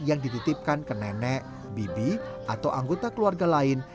yang dititipkan ke nenek bibi atau anggota keluarga lain